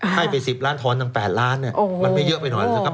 ให้ไป๑๐ล้านทอนตั้ง๘ล้านเนี่ยมันไม่เยอะไปหน่อยนะครับ